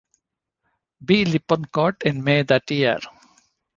B. Lippincott in May that year.